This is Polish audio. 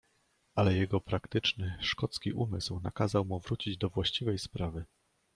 "Ale jego praktyczny, szkocki umysł nakazał mu wrócić do właściwej sprawy."